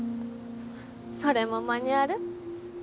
それもマニュアル？